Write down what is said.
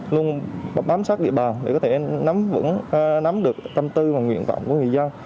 luôn bám sát địa bàn để có thể nắm vững nắm được tâm tư và nguyện vọng của người dân